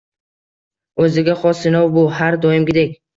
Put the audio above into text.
O‘ziga xos sinov bu. Har doimgidek.